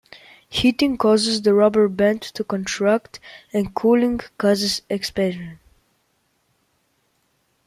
Heating causes the rubber band to contract and cooling causes expansion.